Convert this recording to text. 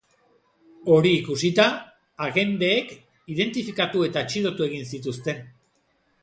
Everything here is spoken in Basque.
Hori ikusita, agenteek identifikatu eta atxilotu egin zituzten.